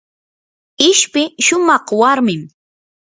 ishpi shumaq warmim.